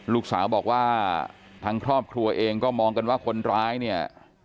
ลูกสาวบอกว่าทางครอบครัวเองก็มองกันว่าคนร้ายเนี่ย